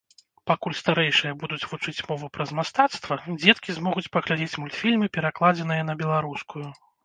Пакуль старэйшыя будуць вучыць мову праз мастацтва, дзеткі змогуць паглядзець мультфільмы, перакладзеныя на беларускую.